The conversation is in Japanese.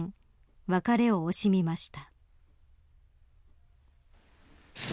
別れを惜しみました。